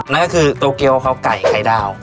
นั่นก็คือโตเกียวเขาไก่ไข่ดาว